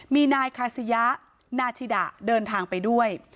มีนายคาซิยะนาชิดะเดินทางไปด้วย